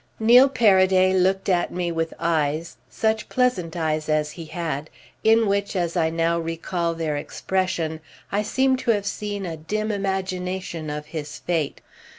Neil Paraday looked at me with eyes—such pleasant eyes as he had—in which, as I now recall their expression, I seem to have seen a dim imagination of his fate.